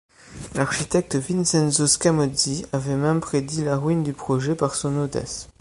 L'architecte Vincenzo Scamozzi avait même prédit la ruine du projet par son audace.